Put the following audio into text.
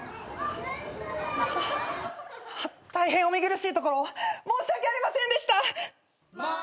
大変お見苦しいところを申し訳ありませんでした！